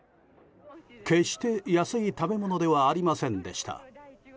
決して安い食べ物ではありませんでした。